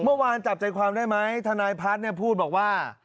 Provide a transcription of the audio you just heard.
เมื่อวานจับใจความได้ไหมทนายพัฒน์พูดบอกว่า